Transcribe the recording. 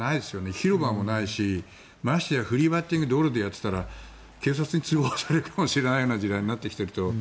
広場もないしましてやフリーバッティングを道路でやっていたら警察に通報されるかもしれないような時代になってきていると。